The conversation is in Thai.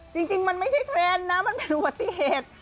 จริงมันไม่ใช่เทรนด์นะมันเป็นอุบัติเหตุ